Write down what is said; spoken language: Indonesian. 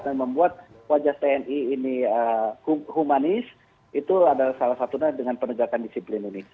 dan membuat wajah tni ini humanis itu adalah salah satunya dengan penegakan disiplin ini